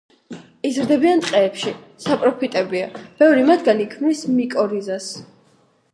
იზრდებიან ტყეებში, საპროფიტებია, ბევრი მათგანი ქმნის მიკორიზას.